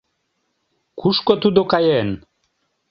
Кушко тудо каен?